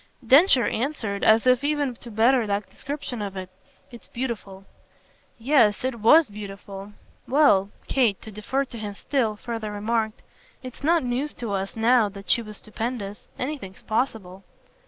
Densher answered as if even to better that description of it. "It's beautiful." "Yes it WAS beautiful. Well," Kate, to defer to him still, further remarked, "it's not news to us now that she was stupendous. Anything's possible."